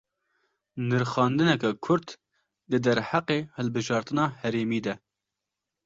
Nirxandineke kurt, di derheqê hilbijartina herêmî de